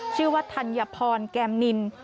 ชื่อว่าธัญพรแกมนิน